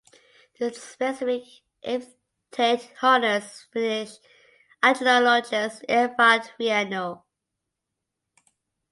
The specific epithet honours Finnish lichenologist Edvard Vainio.